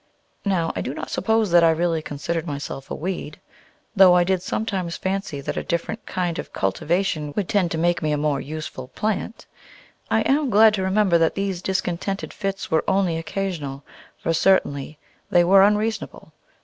Now I do not suppose that I really considered myself a weed, though I did sometimes fancy that a different kind of cultivation would tend to make me a more useful plant. I am glad to remember that these discontented fits were only occasional, for certainly they were unreasonable.